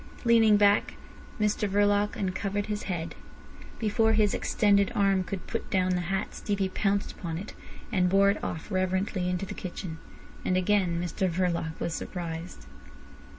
Leaning back, Mr Verloc uncovered his head. Before his extended arm could put down the hat Stevie pounced upon it, and bore it off reverently into the kitchen. And again Mr Verloc was surprised.